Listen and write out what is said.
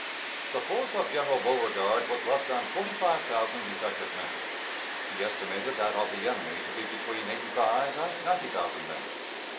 The force of General Beauregard was less than forty five thousand effective men. He estimated that of the enemy to be between eighty five and ninety thousand men.